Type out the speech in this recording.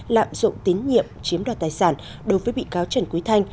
lạm dụng tín nhiệm chiếm đoạt tài sản đối với bị cáo trần quý thanh